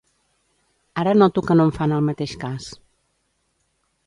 Ara noto que no em fan el mateix cas.